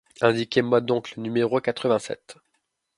Indiquez-moi donc le numéro quatre-vingt-sept.